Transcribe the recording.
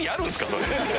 それ。